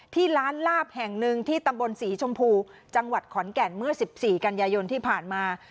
ที่ร้านลาบแห่งหนึ่งที่ตำบลศรีชมพูจังหวัดขอนแก่นเมื่อ๑๔กันยายนที่ผ่านมา